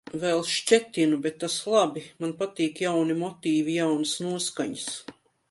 Vēl šķetinu. Bet tas labi. Man patīk jauni motīvi, jaunas noskaņas.